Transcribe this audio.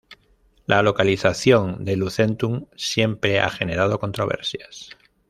La localización de Lucentum siempre ha generado controversias.